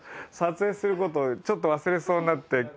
撮影することちょっと忘れそうになって。